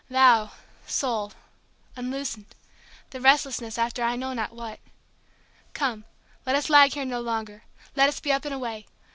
Thou, Soul, unloosen'd—the restlessness after I know not what; Come! let us lag here no longer—let us be up and away!